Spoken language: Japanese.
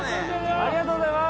ありがとうございます。